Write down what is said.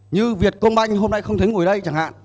như việt công banh hôm nay không thấy ngồi đây chẳng hạn